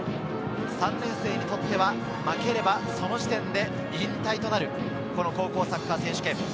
３年生にとっては負ければその時点で引退となる高校サッカー選手権。